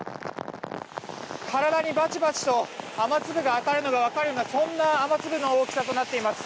体にばちばちと雨粒が当たるのが分かるようなそんな雨粒の大きさになっています。